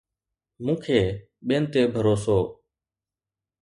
مون کي ٻين تي ڀروسو